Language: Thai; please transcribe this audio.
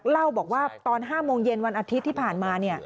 เล่าบอกว่าตอน๕โมงเย็นวันอาทิตย์ที่ผ่านมา